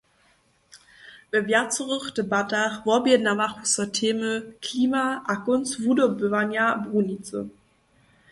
We wjacorych debatach wobjednawachu so temy klima a kónc wudobywanja brunicy.